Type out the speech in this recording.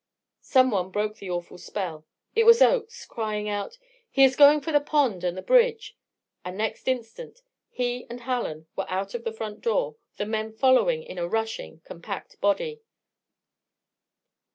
Someone broke the awful spell it was Oakes, crying out: "He is going for the pond and the bridge." And next instant he and Hallen were out of the front door, the men following in a rushing, compact body.